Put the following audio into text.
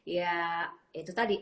ya itu tadi